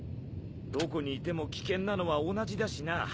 どこにいても危険なのは同じだしな。